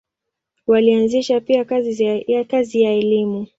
Walianzisha pia kazi ya elimu.